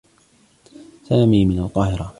سامي من القاهرة.